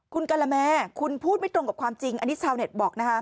คุณกะละแม่คุณพูดไม่ตรงกับความจริงอันนี้ชาวเน็ตบอกนะคะ